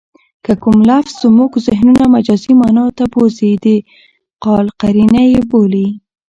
که کوم لفظ زمونږ ذهنونه مجازي مانا ته بوځي؛ د قال قرینه ئې بولي.